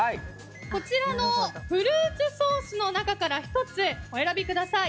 こちらのフルーツソースの中から１つ、お選びください。